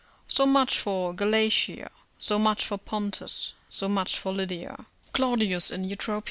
["So much for Galatia, so much for Pontus, so much for Lydia." Claudius in Eutrop.